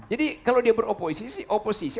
jadi kalau dia beroposisi